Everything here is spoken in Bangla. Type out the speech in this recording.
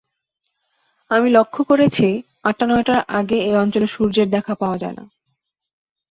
আমি লক্ষ করেছি, আটটা-নটার আগে এ অঞ্চলে সূর্যের দেখা পাওয়া যায় না।